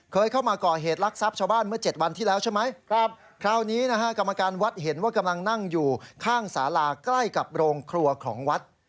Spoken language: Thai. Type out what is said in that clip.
เคยเข้ามาก่อเหตุลักษัพชาวบ้านเมื่อ๗วันที่แล้วใช่ไหมคราวนี้นะฮะกรรมการวัดเห็นว่ากำลังนั่งอยู่ข้างสาราใกล้กับโรงครัวของวัด